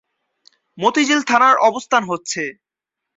মতিঝিল থানার অবস্থান হচ্ছে -এ।